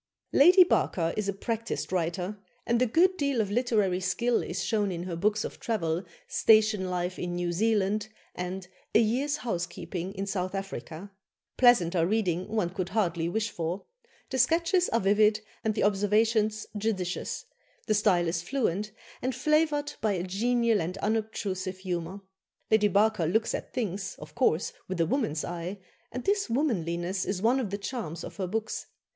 " Lady Barker is a practised writer, and a good deal of literary skill is shown in her books of travel, "Station Life in New Zealand" and "A Year's Housekeeping in South Africa." Pleasanter reading one could hardly wish for; the sketches are vivid, and the observations judicious; the style is fluent, and flavoured by a genial and unobtrusive humour. Lady Barker looks at things, of course, with a woman's eye, and this womanliness is one of the charms of her books.